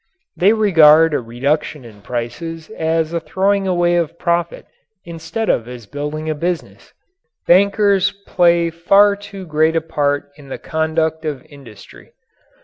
They regard a reduction in prices as a throwing away of profit instead of as a building of business. Bankers play far too great a part in the conduct of industry.